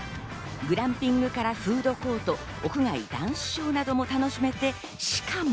グランピングからフードコート、ダンスショーなども楽しめて、しかも。